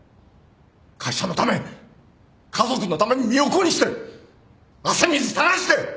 会社のため家族のために身を粉にして汗水垂らして！